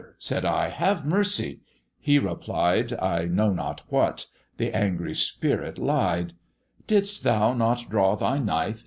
said I, 'Have mercy:' he replied, I know not what the angry spirit lied, 'Didst thou not draw thy knife?'